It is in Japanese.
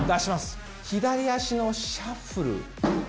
左足のシャッフル。